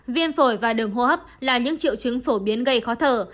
viêm phổi và đường hô hấp là những triệu chứng phổ biến gây khó thở